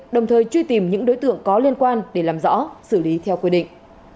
đồng thời truy tìm những đối tượng có liên quan để làm rõ xử lý theo quy định